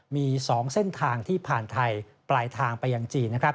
มี๒เส้นทางที่ผ่านไทยปลายทางไปยังจีนนะครับ